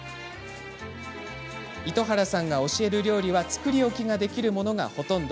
糸原さんが教える料理は作り置きができるものがほとんど。